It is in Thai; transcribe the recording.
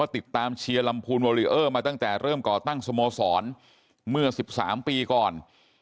ตั้งสโมสรเมื่อ๑๓ปีก่อน